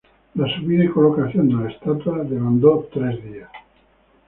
La subida y colocación de la estatua demandó tres días.